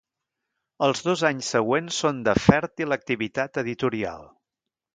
Els dos anys següents són de fèrtil activitat editorial.